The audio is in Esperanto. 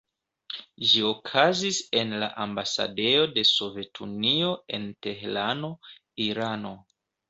Ĝi okazis en la ambasadejo de Sovetunio en Teherano, Irano.